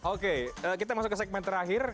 oke kita masuk ke segmen terakhir